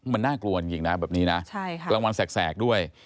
มันน่ากลัวจริงนะแบบนี้นะกลางวันแสกด้วย